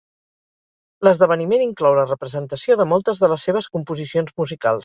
L'esdeveniment inclou la representació de moltes de les seves composicions musicals.